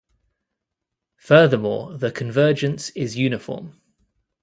Furthermore, the convergence is uniform.